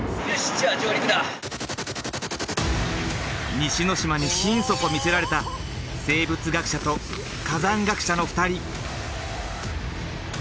西之島に心底魅せられた生物学者と火山学者の２人。